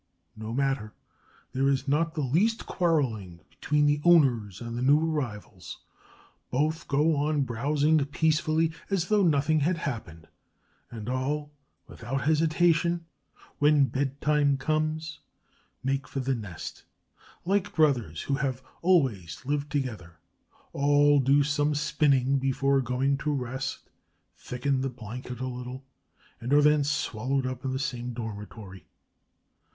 No matter! There is not the least quarreling between the owners and the new arrivals. Both go on browsing peacefully, as though nothing had happened. And all without hesitation, when bedtime comes, make for the nest, like brothers who have always lived together; all do some spinning before going to rest, thicken the blanket a little, and are then swallowed up in the same dormitory.